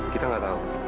kita gak tau